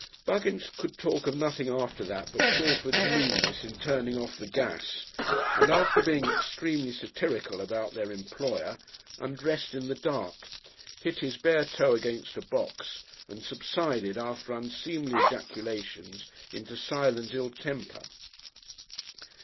Buggins could talk of nothing after that but Shalford's meanness in turning off the gas, and after being extremely satirical indeed about their employer, undressed in the dark, hit his bare toe against a box and subsided after unseemly ejaculations into silent ill temper.